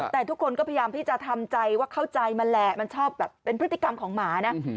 แต่ทุกคนก็พยายามที่จะทำใจว่าเข้าใจมันแหละมันชอบแบบเป็นพฤติกรรมของหมานะ